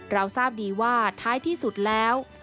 เราทราบดีว่าท้ายที่สุดแล้ว